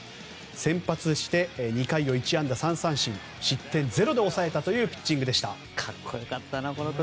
先発して２回を１安打３三振失点０で抑えたというピッチングでした。